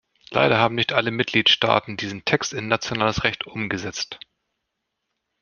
Leider haben nicht alle Mitgliedstaaten diesen Text in nationales Recht umgesetzt.